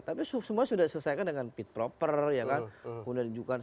tapi semua sudah diselesaikan dengan fit proper ya kan